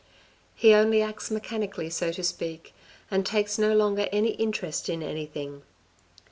He only acts mechanically so to speak, and takes no longer any interest in anything.